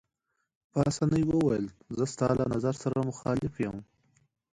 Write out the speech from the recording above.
پاسیني وویل: زه ستا له نظر سره مخالف یم.